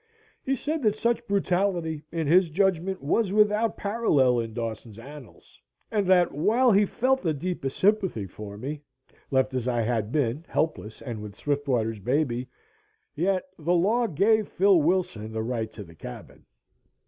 He said that such brutality, in his judgment, was without parallel in Dawson's annals and that, while he felt the deepest sympathy for me, left as I had been helpless and with Swiftwater's baby, yet the law gave Phil Wilson the right to the cabin.